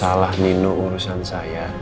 masalah nino itu urusan saya